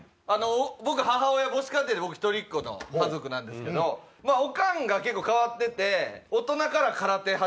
僕母子家庭で一人っ子の家族なんですけどオカンが結構変わってて。